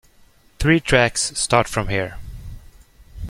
Three tracks start from here.